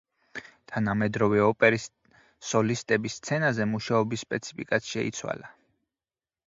თანამედროვე ოპერის სოლისტების სცენაზე მუშაობის სპეციფიკაც შეიცვალა.